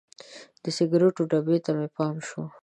د سګریټو ډبي ته مې پام شو.